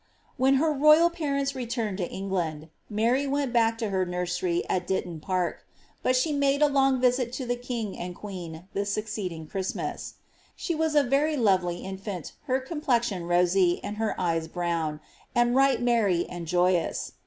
When her royal parents returned to £ng1and| Mary went back to her nursery at Ditton Park, but she made a long visit to the king and queeo the succeeding Cliristmas. She was a very lovely infant her com plexion rosy, and her eyes brown, and ^^ right merry and joyous."